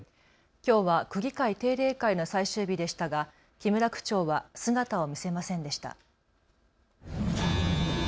きょうは区議会定例会の最終日でしたが木村区長は姿を見せませんでした。